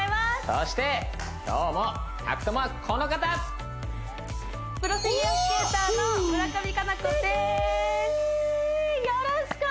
そして今日も宅トモはこの方プロフィギュアスケーターの村上佳菜子でーすステキ！